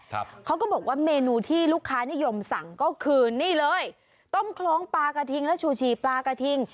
เขาก็บอกว่าเมนูที่ลูกค้านิยมสั่งก็คือนี่เลยต้มคล้องปลากระทิงและชูชีปลากระทิง